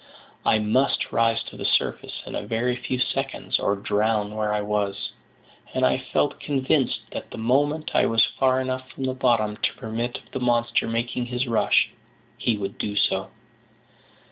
I must rise to the surface in a very few seconds, or drown where I was; and I felt convinced that the moment I was far enough from the bottom to permit of the monster making his rush, he would do so.